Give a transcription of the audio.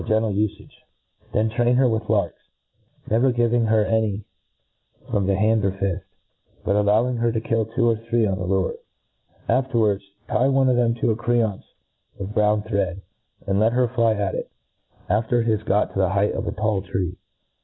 gentle ufage. Then train her with larks ; never giving her any from the hand or lift, but allowing her to kill two or three tn the lure. Afterwards, tie one of them to a creancd of brown thread, and let her fly at it, after it has got to the height of a tall tree.